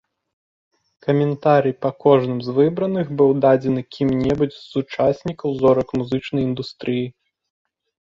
Каментарый па кожным з выбраных быў дадзены кім-небудзь з сучаснікаў зорак музычнай індустрыі.